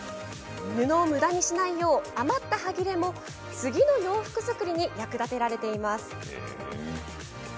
布をむだにしないよう余ったはぎれも次の洋服作りに役立てられています。